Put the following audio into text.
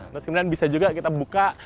terus kemudian bisa juga kita buka